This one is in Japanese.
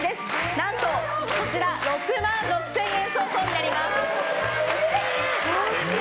何と、こちら６万６０００円相当になります。